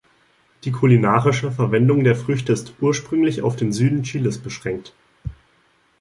Die kulinarische Verwendung der Früchte ist ursprünglich auf den Süden Chiles beschränkt.